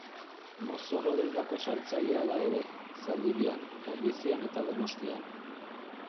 Mozorro-dendako saltzailea da ere, Zaldibian, Ordizian eta Donostian.